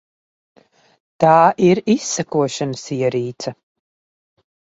Tā ir izsekošanas ierīce.